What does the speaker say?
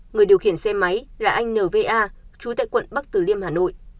người điều khiển xe máy là anh nva chú tại quận bắc từ liêm hà nội